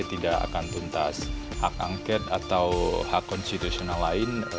tidak akan tuntas hak angket atau hak konstitusional lain